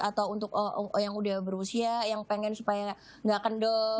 atau untuk yang udah berusia yang pengen supaya nggak kendol